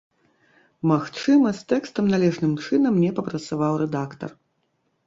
Магчыма, з тэкстам належным чынам не папрацаваў рэдактар.